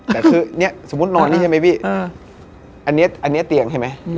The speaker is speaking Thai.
แต่คือเนี่ยสมมุตินอนนี่ใช่ไหมพี่อันนี้เตียงใช่ไหม